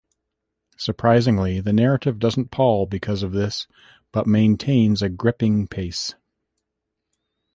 Surprisingly, the narrative doesn't pall because of this, but maintains a gripping pace.